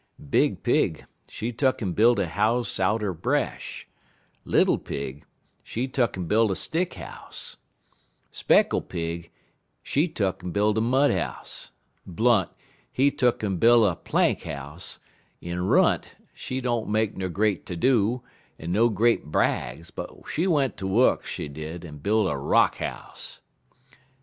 Big Pig, she tuck'n buil' 'er a house outer bresh; Little Pig, she tuck'n buil' a stick house; Speckle Pig, she tuck'n buil' a mud house; Blunt, he tuck'n buil' a plank house; en Runt, she don't make no great ter do, en no great brags, but she went ter wuk, she did, en buil' a rock house.